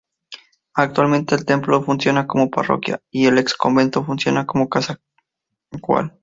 Actualmente el templo funciona como parroquia y el ex convento funciona como casa cual.